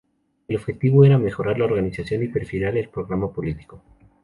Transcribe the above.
El objetivo era mejorar la organización y perfilar el programa político.